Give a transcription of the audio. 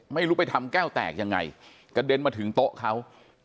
ไม่รู้ไปทำแก้วแตกยังไงกระเด็นมาถึงโต๊ะเขา